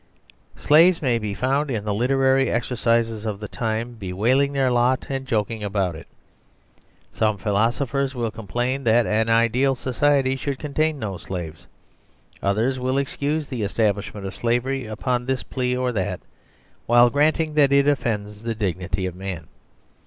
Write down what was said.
Slaves may be found in the literary exercises of the time bewailing their lot and joking about it ; some philosophers will complain that an ideal societyshould contain no slaves ; others will excuse the establish ment of slavery upon this plea or that, while granting that it offends the dignity of man.